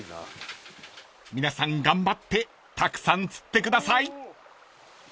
［皆さん頑張ってたくさん釣ってください］